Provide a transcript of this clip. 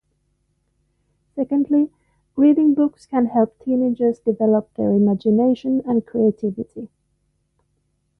Secondly, reading books can help teenagers develop their imagination and creativity.